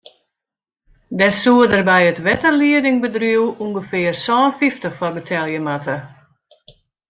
Dêr soed er by it wetterliedingbedriuw ûngefear sân fyftich foar betelje moatte.